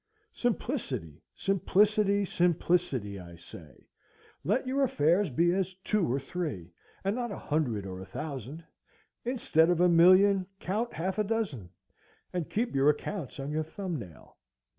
Simplicity, simplicity, simplicity! I say, let your affairs be as two or three, and not a hundred or a thousand; instead of a million count half a dozen, and keep your accounts on your thumb nail.